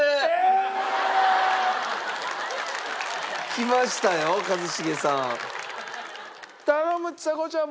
きましたよ一茂さん。